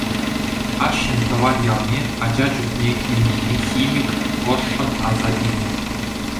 Ашшӗн тӑван ялне ача чухне килнине химик ӑшшӑн аса илнӗ.